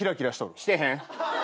してへん。